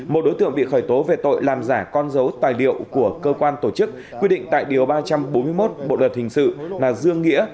một đối tượng bị khởi tố về tội làm giả con dấu tài liệu của cơ quan tổ chức quy định tại điều ba trăm bốn mươi một bộ luật hình sự là dương nghĩa